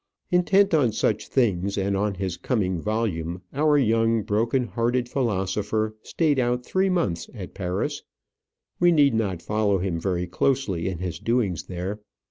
Intent on such things, and on his coming volume, our young broken hearted philosopher stayed out three months at Paris. We need not follow him very closely in his doings there.